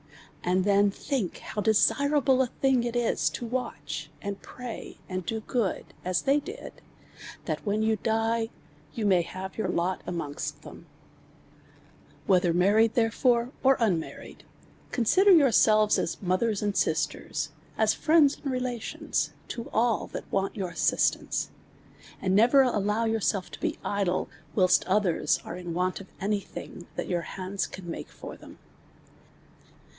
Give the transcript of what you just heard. And then think how. desirable a thing it i&, to watch and pray, and do good as they did, that when you die you may have your lot amongst them. DEVOUT AND HOLY LIFE. 261. Whether married therefore or unmarried^ consider yourselves as mothers and sisters, as friends and rela tions to all that want your assistance ; and never allow yourselves to be idle, whilst others are in want of any thing" that your hands can make for them.